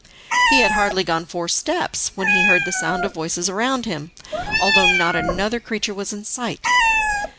He had hardly gone four steps when he heard the sound of voices around him, although not another creature was in sight.